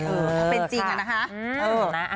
เออค่ะเป็นจริงอ่ะนะคะ